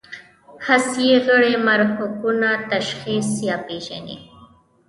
حسي غړي محرکونه تشخیص یا پېژني.